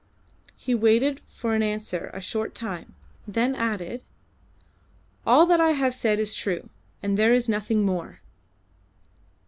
He waited for an answer a short time, then added "All that I have said is true, and there is nothing more."